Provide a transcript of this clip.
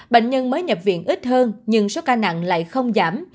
bệnh nhân mới nhập viện ít hơn nhưng số ca nặng lại không giảm